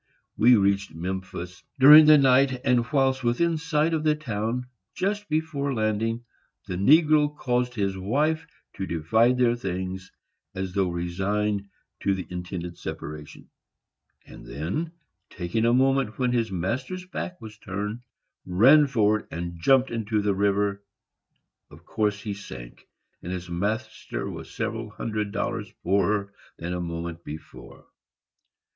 We reached Memphis during the night, and whilst within sight of the town, just before landing, the negro caused his wife to divide their things, as though resigned to the intended separation, and then, taking a moment when his master's back was turned, ran forward and jumped into the river. Of course he sank, and his master was several hundred dollars poorer than a moment before.